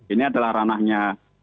ini adalah ranahnya